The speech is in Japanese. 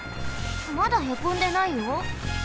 まだへこんでないよ？